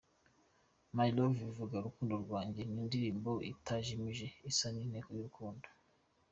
My Love’ bivuga rukundo rwanjye, ni indirimbo itajimije irasa ku ntego y’urukundo.